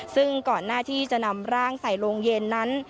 ซึ่งก่อนหน้าที่จะนำร่างใส่โรงเย็นนั้น